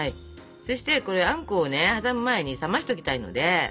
そしてこれあんこをね挟む前に冷ましときたいので。